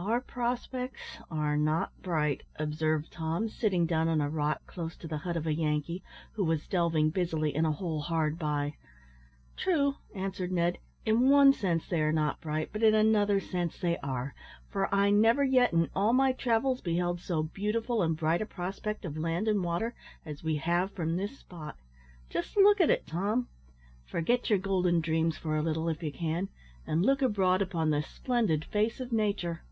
"Our prospects are not bright," observed Tom, sitting down on a rock close to the hut of a Yankee who was delving busily in a hole hard by. "True," answered Ned, "in one sense they are not bright, but in another sense they are, for I never yet, in all my travels, beheld so beautiful and bright a prospect of land and water as we have from this spot. Just look at it, Tom; forget your golden dreams for a little, if you can, and look abroad upon the splendid face of nature."